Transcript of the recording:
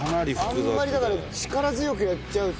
あんまりだから力強くやっちゃうと。